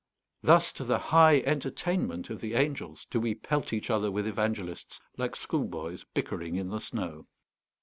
Thus, to the high entertainment of the angels, do we pelt each other with evangelists, like schoolboys bickering in the snow.